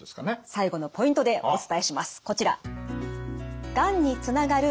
最後のポイントでお伝えします。